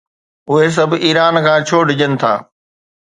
اهي سڀ ايران کان ڇو ڊڄن ٿا؟